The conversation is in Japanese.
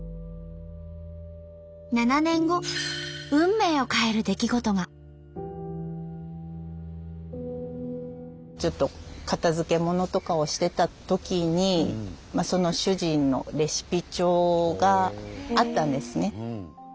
７年後ちょっと片づけものとかをしてたときにその主人のレシピ帳があったんですね。